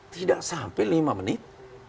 tidak sampai lima menit